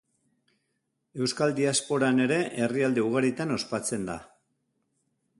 Euskal diasporan ere herrialde ugaritan ospatzen da.